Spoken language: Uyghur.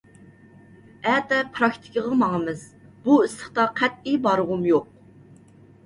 ئەتە پىراكتىكىغا ماڭىمىز. بۇ ئىسسىقتا قەتئىي بارغۇم يوق.